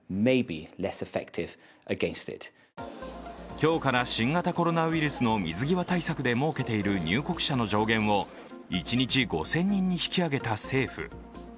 今日から新型コロナウイルスの水際対策で設けている入国者の上限を一日５０００人に引き上げた政府。